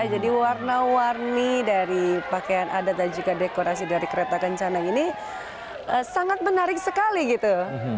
jadi warna warni dari pakaian adat dan juga dekorasi dari kereta rencana ini sangat menarik sekali gitu